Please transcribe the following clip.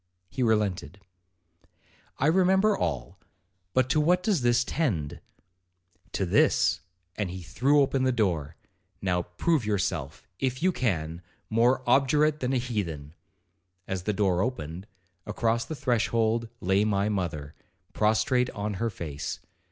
he relented.' 'I remember all, but to what does this tend?' 'To this,' and he threw open the door; 'now, prove yourself, if you can, more obdurate than a heathen.' As the door opened, across the threshold lay my mother, prostrate on her face.